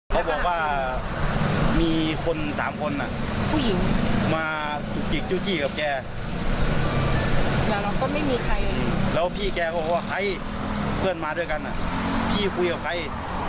เขาบอกว่ามีคน๓คนมาจุกจิกจู่จี้กับแกแล้วพี่แกบอกว่าใครเพื่อนมาด้วยกันพี่คุยกับใคร